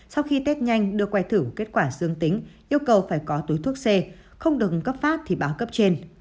sau khi tết nhanh đưa que thử kết quả dương tính yêu cầu phải có túi thuốc c không đồng cấp phát thì báo cấp trên